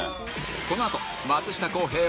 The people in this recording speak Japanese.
このあと松下洸平